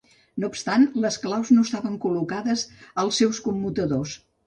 No obstant, las claus no estaven col·locades als seus commutadors.